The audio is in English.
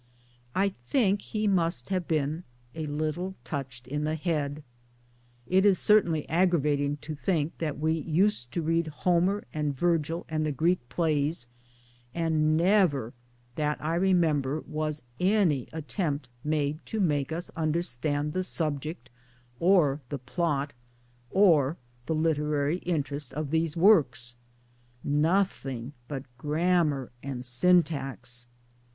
I think he must have been a little touched in the head. It is certainly aggravating to think that we used to read Homer and Virgil and the Greek plays, and never that I remember was any attempt made to make us under stand the subject or the plot or the literary interest of these works nothing but grammar and syntax.